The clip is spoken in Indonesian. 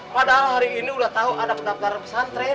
padahal hari ini udah tau ada pendaftaran pesantren